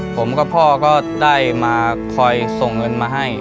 ผมกับพ่อก็ได้มาคอยส่งเงินมาให้